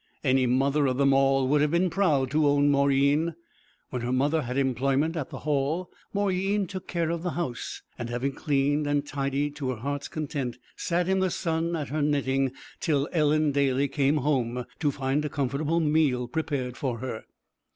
Any mother of them all would have been proud to own Mauryeen. When her mother had employment at the Hall Mauryeen took care of the house, and having cleaned and tidied to her heart's content, sat in the sun at her knitting till Ellen Daly came home to find a comfortable meal prepared for her.